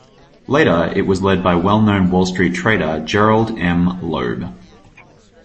Later, it was led by well known Wall Street trader Gerald M. Loeb.